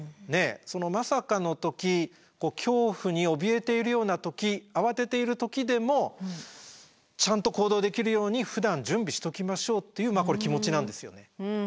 そのまさかの時恐怖におびえているような時慌てている時でもちゃんと行動できるようにふだん準備しときましょうっていうこれ気持ちなんですよね。